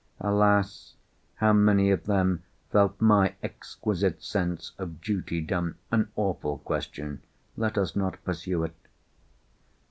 Alas! how many of them felt my exquisite sense of duty done? An awful question. Let us not pursue it.